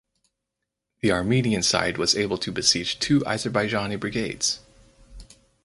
The Armenian side was able to besiege two Azerbaijani brigades.